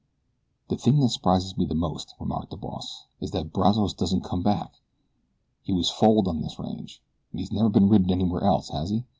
"The thing that surprises me most," remarked the boss, "is that Brazos doesn't come back. He was foaled on this range, and he's never been ridden anywhere else, has he?"